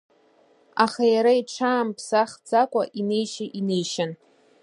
Аха иара иҽаамԥсахӡакәа инеишьа инеишьан.